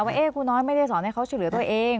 ว่าครูน้อยไม่ได้สอนให้เขาช่วยเหลือตัวเอง